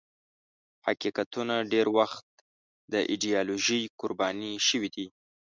حقیقتونه ډېر وخت د ایدیالوژۍ قرباني شوي دي.